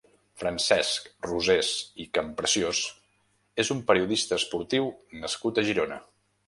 Francesc Rosés i Campreciós és un periodista esportiu nascut a Girona.